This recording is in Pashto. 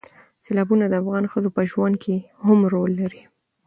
سیلابونه د افغان ښځو په ژوند کې هم رول لري.